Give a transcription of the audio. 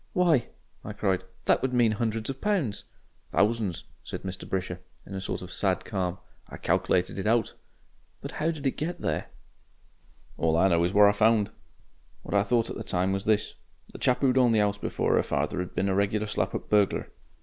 "Why!" I cried, "that would mean hundreds of pounds." "Thousands," said Mr. Brisher, in a sort of sad calm. "I calc'lated it out." "But how did they get there?" "All I know is what I found. What I thought at the time was this. The chap who'd owned the 'ouse before 'er father 'd been a regular slap up burglar.